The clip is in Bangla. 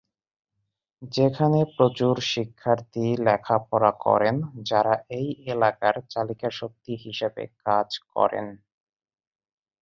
যেখানে প্রচুর শিক্ষার্থী লেখাপড়া করেন যারা এই এলাকার চালিকাশক্তি হিসেবে কাজ করেন।